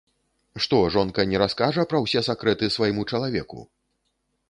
Што, жонка не раскажа пра ўсе сакрэты свайму чалавеку?